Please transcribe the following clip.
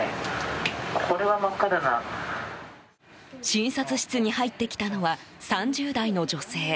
診察室に入ってきたのは３０代の女性。